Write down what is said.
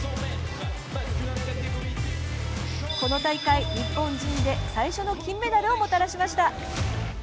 この大会、日本人で最初の金メダルをもたらしました。